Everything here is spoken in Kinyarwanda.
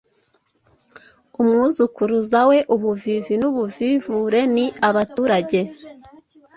Umwuzukuruza we, ubuvivi n’ubuvivure ni abaturage